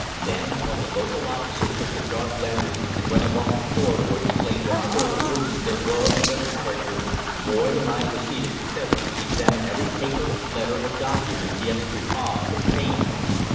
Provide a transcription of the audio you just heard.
Then, while the local officer took the dark lantern and went along the corridor to explore what further rooms there were, and their character, Boyd and I proceeded to carefully examine every paper, letter or document the escritoire contained.